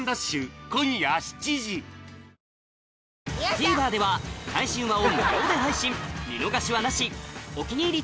ＴＶｅｒでは最新話を無料で配信見逃しはなし「お気に入り」